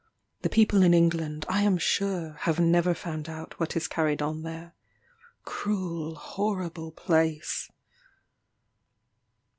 The people in England, I am sure, have never found out what is carried on there. Cruel, horrible place!